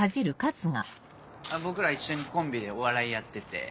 僕ら一緒にコンビでお笑いやってて。